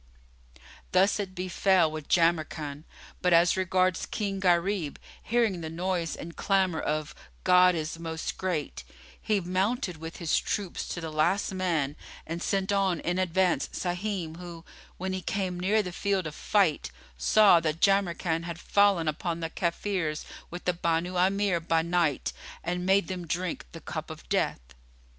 Thus it befel with Jamrkan; but as regards King Gharib, hearing the noise and clamour of "God is Most Great," he mounted with his troops to the last man and sent on in advance Sahim who, when he came near the field of fight, saw that Jamrkan had fallen upon the Kafirs with the Banu Amir by night and made them drink the cup of death.